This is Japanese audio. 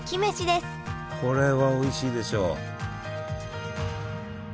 これはおいしいでしょう。